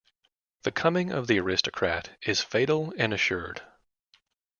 The coming of the aristocrat is fatal and assured.